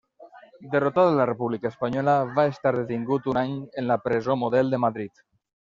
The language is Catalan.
Derrotada la República Espanyola, va estar detingut un any en la Presó Model de Madrid.